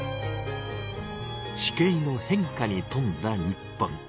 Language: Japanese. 地形の変化にとんだ日本。